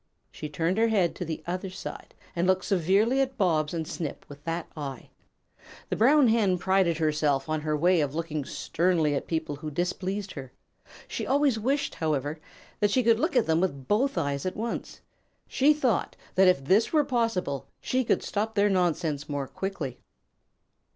She turned her head to the other side and looked severely at Bobs and Snip with that eye. The Brown Hen prided herself on her way of looking sternly at people who displeased her. She always wished, however, that she could look at them with both eyes at once. She thought that if this were possible she could stop their nonsense more quickly.